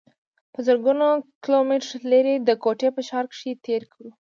پۀ زرګونو کلومټره لرې د کوټې پۀ ښار کښې تير کړو